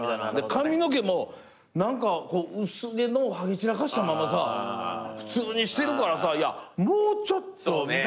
髪の毛も何か薄毛をはげ散らかしたまま普通にしてるからさもうちょっと身だしなみ。